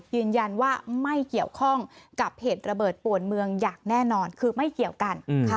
ยืนยันว่าไม่เกี่ยวข้องกับเหตุระเบิดป่วนเมืองอย่างแน่นอนคือไม่เกี่ยวกัน